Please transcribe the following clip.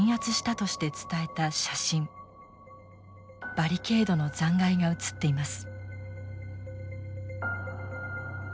バリケードの残骸が写っています。